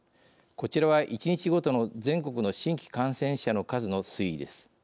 こちらは、１日ごとの全国の新規感染者の数の推移です。